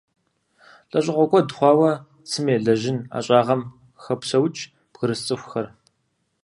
ЛӀэщӀыгъуэ куэд хъуауэ цым елэжьын ӀэщӀагъэм хопсэукӀ бгырыс цӀыхухэр.